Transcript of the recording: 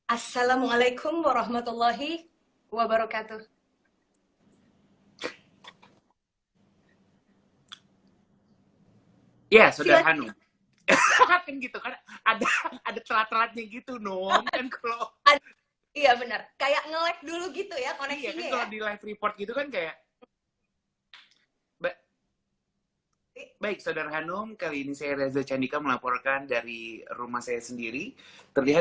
assalamualaikum warahmatullahi wabarakatuh